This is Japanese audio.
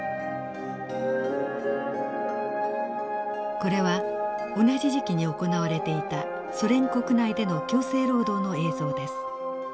これは同じ時期に行われていたソ連国内での強制労働の映像です。